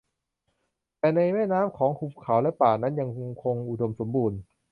แต่ในแม่น้ำของหุบเขาและป่านั้นยังคงอุดมสมบูรณ์